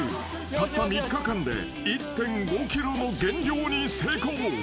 たった３日間で１．５ｋｇも減量に成功］